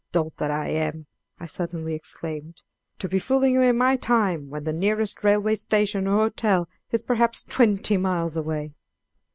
"Dolt that I am," I suddenly exclaimed, "to be fooling away my time when the nearest railway station or hotel is perhaps twenty miles away."